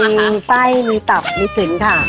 มีไส้มีตับมีกลิ่นค่ะ